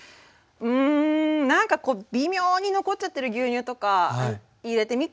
うんなんか微妙に残っちゃってる牛乳とか入れてみっかとか。